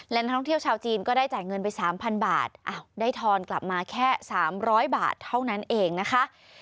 และนักท่องเที่ยวชาวจีนก็ได้จ่ายเงินไป๓๐๐บาทได้ทอนกลับมาแค่๓๐๐บาทเท่านั้นเองนะคะ